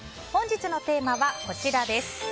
本日のテーマはこちらです。